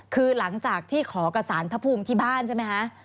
คือหลังจากที่ขอกับสารพระภูมิที่บ้านใช่ไหมคะ